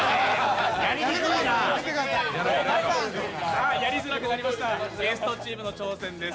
さあ、やりづらくなりました、ゲストチームの挑戦です。